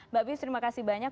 mbak bius terima kasih banyak